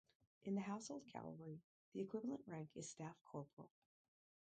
In the Household Cavalry the equivalent rank is staff corporal.